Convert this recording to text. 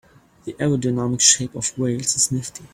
The aerodynamic shape of whales is nifty.